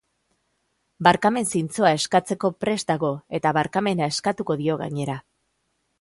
Barkamen zintzoa eskatzeko prest dago eta barkamena eskatuko dio gainera.